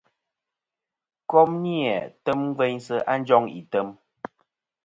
Kom ni-a tem gveynsɨ̀ a njoŋ item.